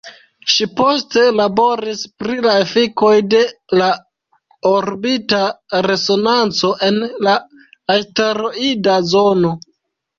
Ŝi poste laboris pri la efikoj de la orbita resonanco en la asteroida zono.